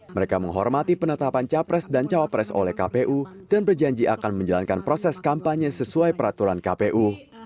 mereka menghormati penetapan capres dan cawapres oleh kpu dan berjanji akan menjalankan proses kampanye sesuai peraturan kpu